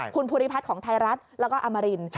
คุณภูริพัฒน์ของไทยรัฐแล้วก็อมริน